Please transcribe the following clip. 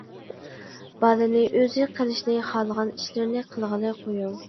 بالىنى ئۆزى قىلىشنى خالىغان ئىشلىرىنى قىلغىلى قويۇڭ.